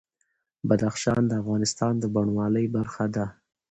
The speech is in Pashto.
بدخشان د افغانستان د بڼوالۍ برخه ده.